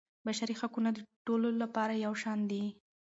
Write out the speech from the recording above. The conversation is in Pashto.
بشري حقونه د ټولو لپاره یو شان دي.